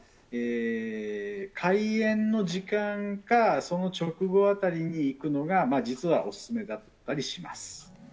開園の時間か、その直後あたりに行くのが実はお勧めだったりします。